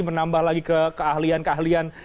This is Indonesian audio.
menambah lagi ke keahlian keahlian